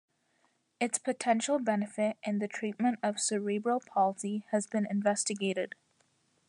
Its potential benefit in the treatment of cerebral palsy has been investigated.